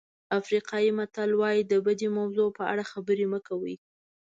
افریقایي متل وایي د بدې موضوع په اړه خبرې مه کوئ.